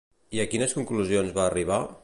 I a quines conclusions va arribar?